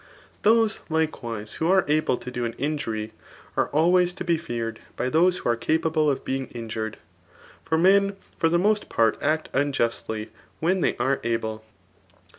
] Those, likewise, who ave able to do an injury, are always to be feared by.'dioae ; who are equable of being injured ; for mea for the aadBt part act unjustly when they are able.